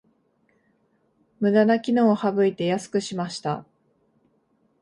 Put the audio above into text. ムダな機能を省いて安くしました